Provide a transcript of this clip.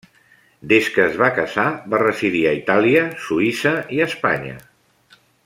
Des que es va casar va residir a Itàlia, Suïssa i a Espanya.